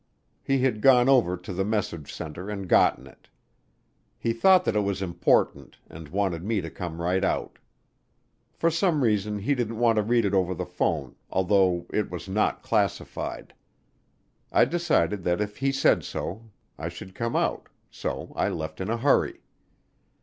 He had gone over to the message center and gotten it. He thought that it was important and wanted me to come right out. For some reason he didn't want to read it over the phone, although it was not classified. I decided that if he said so I should come out, so I left in a hurry.